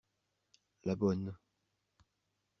La bonne.